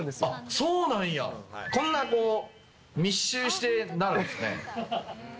そうなんや、こんな、密集してなるんですね。